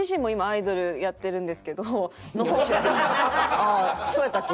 ああそうやったっけ？